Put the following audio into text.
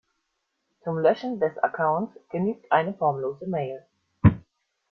Zum Löschen des Accounts genügt eine formlose Mail.